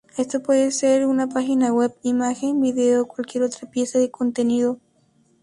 Esto puede ser una página web, imagen, vídeo, o cualquier otra pieza de contenido.